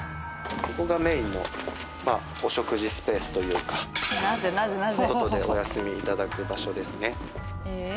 ここがメインのまあお食事スペースというか外でお休み頂く場所ですね。